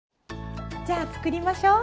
じゃあ作りましょう。